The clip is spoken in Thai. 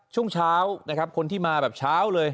ช่วงเช้านะครับคนที่มาแบบเช้าเลย